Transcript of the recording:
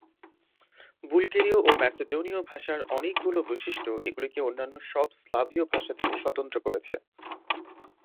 বুলগেরীয় ও ম্যাসডোনীয় ভাষার অনেকগুলি বৈশিষ্ট্য এগুলিকে অন্যান্য সব স্লাভীয় ভাষা থেকে স্বতন্ত্র করেছে।